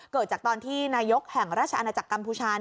เกิดจากตอนที่นายกแห่งราชอาณาจักรกัมพูชา